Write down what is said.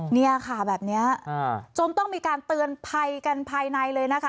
เนี่ยค่ะแบบนี้จนต้องมีการเตือนภัยกันภายในเลยนะคะ